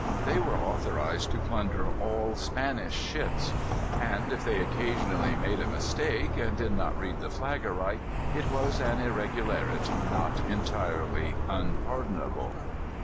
They were authorized to plunder all Spanish ships. And if they occasionally made a mistake, and did not read the flag aright, it was an irregularity not entirely unpardonable.